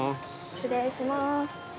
失礼します。